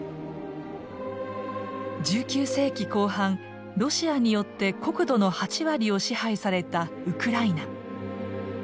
１９世紀後半ロシアによって国土の８割を支配されたウクライナ。